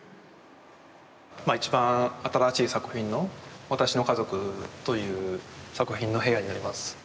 一番新しい作品の「私の家族」という作品の部屋になります。